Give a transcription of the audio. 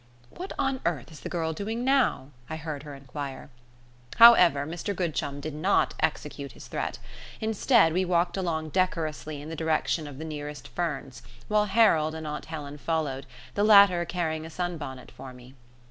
"What on earth is the girl doing now?" I heard her inquire. However, Mr Goodchum did not execute his threat; instead we walked along decorously in the direction of the nearest ferns, while Harold and aunt Helen followed, the latter carrying a sun bonnet for me.